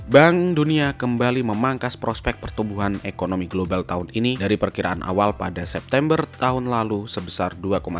bank dunia kembali memangkas prospek pertumbuhan ekonomi global tahun ini dari perkiraan awal pada september tahun lalu sebesar dua lima